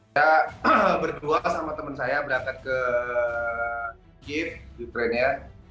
saya berdua sama teman saya berangkat ke kiev ukraine ya